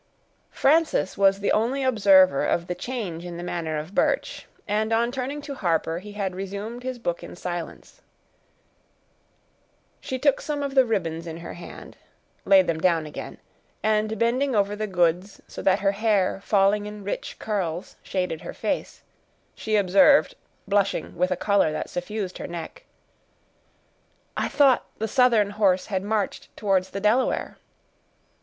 Frances was the only observer of the change in the manner of Birch, and, on turning to Harper, he had resumed his book in silence. She took some of the ribbons in her hand—laid them down again—and, bending over the goods, so that her hair, falling in rich curls, shaded her face, she observed, blushing with a color that suffused her neck,— "I thought the Southern horse had marched towards the Delaware."